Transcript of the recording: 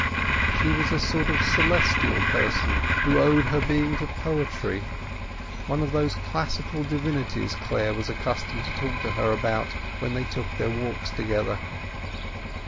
She was a sort of celestial person, who owed her being to poetry—one of those classical divinities Clare was accustomed to talk to her about when they took their walks together.